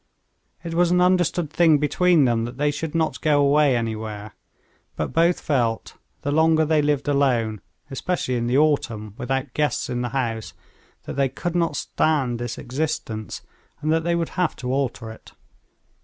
It was an understood thing between them that they should not go away anywhere; but both felt, the longer they lived alone, especially in the autumn, without guests in the house, that they could not stand this existence, and that they would have to alter it.